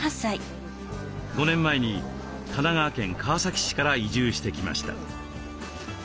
５年前に神奈川県川崎市から移住してきました。